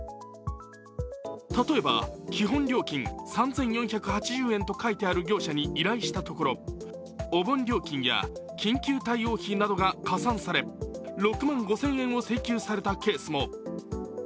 例えば、基本料金３４８０円と書いてある業者に依頼したところ、お盆料金や緊急対応費などが加算され６万５０００円を請求されたケースも。